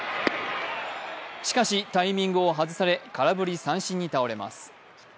しかし、タイミングを外され空振り三振に倒れます。